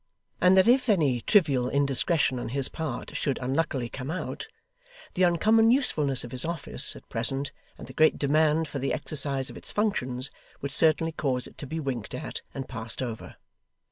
And that if any trivial indiscretion on his part should unluckily come out, the uncommon usefulness of his office, at present, and the great demand for the exercise of its functions, would certainly cause it to be winked at, and passed over.